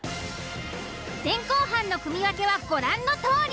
前後半の組分けはご覧のとおり。